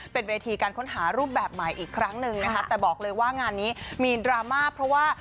เป็นเวทีการค้นหารูปแบบใหม่อีกครั้งหนึ่งนะคะแต่บอกเลยว่างานนี้มีดราม่าเพราะว่า